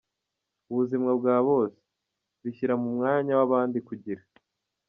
ubuzima bwa bose, bishyira mu mwanya w’abandi kugira